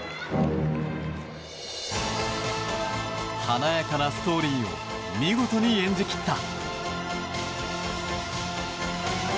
華やかなストーリーを見事に演じ切った。